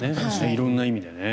色んな意味でね。